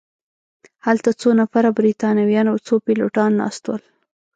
هلته څو نفره بریتانویان او څو پیلوټان ناست ول.